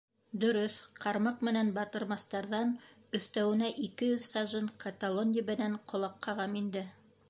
Дөрөҫ, ҡармаҡ менән батырмыстарҙан, өҫтәүенә, ике йөҙ сажин каталон ебенән ҡолаҡ ҡағам инде.